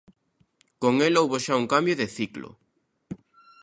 Con el houbo xa un cambio de ciclo.